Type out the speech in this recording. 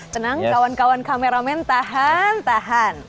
tenang kawan kawan kameramen tahan tahan